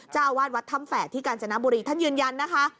เจ้าอาวาสวัดถ้ำแฝดที่กาญจนบุรีท่านยืนยันนะคะ